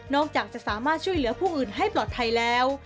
จะสามารถช่วยเหลือผู้อื่นให้ปลอดภัยแล้ว